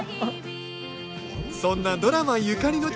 そんなドラマゆかりの地